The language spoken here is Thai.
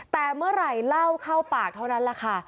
แต่เมื่อไหร่เล่าเข้าปากเท่านั้นแหละค่ะ